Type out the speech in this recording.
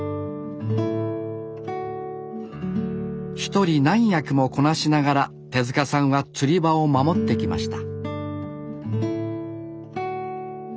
一人何役もこなしながら手さんは釣り場を守ってきました